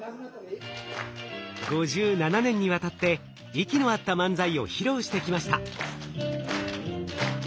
５７年にわたって息の合った漫才を披露してきました。